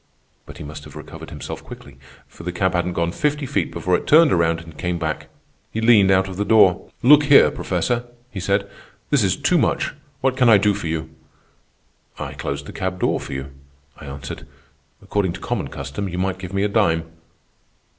But he must have recovered himself quickly, for the cab hadn't gone fifty feet before it turned around and came back. He leaned out of the door. "'Look here, Professor,' he said, 'this is too much. What can I do for you?' "'I closed the cab door for you,' I answered. 'According to common custom you might give me a dime.